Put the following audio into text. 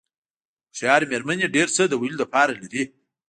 هوښیارې مېرمنې ډېر څه د ویلو لپاره لري.